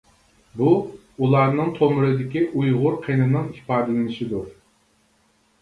بۇ، ئۇلارنىڭ تومۇرىدىكى ئۇيغۇر قېنىنىڭ ئىپادىلىنىشىدۇر.